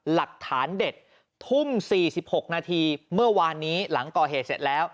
หลักฐานเด็ดทุ่ม๔๖นาทีเมื่อวานนี้หลังก่อเหตุเสร็จแล้ว